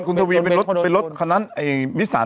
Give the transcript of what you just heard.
คุณทวีไปรถคันนั้นไอวิสัน